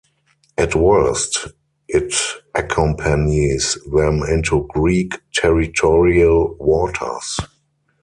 At worst, it accompanies them into Greek territorial waters.